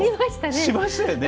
しましたよね。